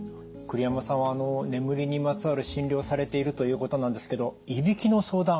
栗山さんは眠りにまつわる診療をされているということなんですけどいびきの相談